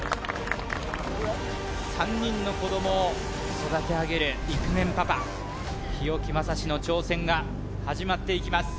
３人の子供を育てあげるイクメンパパ日置将士の挑戦が始まっていきます